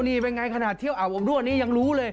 นี่เป็นอย่างไรขนาดเที่ยวอับด้วยนี่ยังรู้เลย